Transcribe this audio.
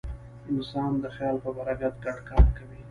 انسان د خیال په برکت ګډ کار کوي.